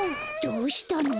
どうしたの？